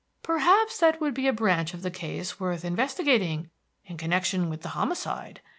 "perhaps that would be a branch of the case worth investigating in connection with the homicide.